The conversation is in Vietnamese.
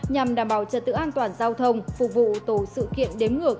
nhằm đảm bảo trật tự an toàn giao thông phục vụ tổ sự kiện đếm ngược